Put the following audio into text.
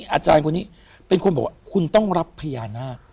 อาจารย์คนนี้เป็นคนบอกว่าคุณต้องรับพญานาค